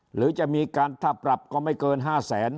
หรือจะมีการถ้าปรับก็ไม่เกิน๕แสน